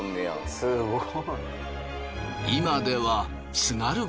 すごい！